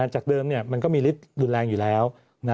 จากเดิมมันก็มีฤทธิ์รุนแรงอยู่แล้ว